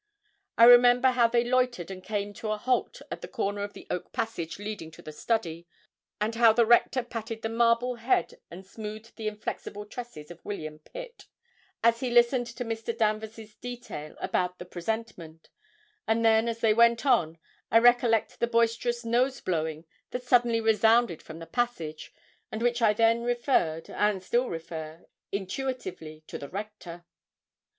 I remember how they loitered and came to a halt at the corner of the oak passage leading to the study, and how the Rector patted the marble head and smoothed the inflexible tresses of William Pitt, as he listened to Mr. Danvers' details about the presentment; and then, as they went on, I recollect the boisterous nose blowing that suddenly resounded from the passage, and which I then referred, and still refer, intuitively to the Rector.